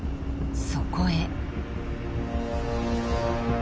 そこへ。